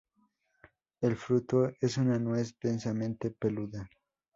El fruto es una nuez densamente peluda.